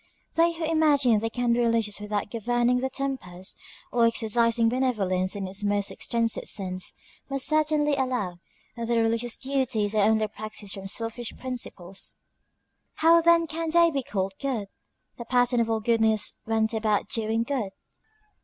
They who imagine they can be religious without governing their tempers, or exercising benevolence in its most extensive sense, must certainly allow, that their religious duties are only practiced from selfish principles; how then can they be called good? The pattern of all goodness went about doing good.